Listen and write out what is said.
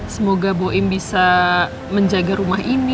semoga boim bisa menjaga rumah ini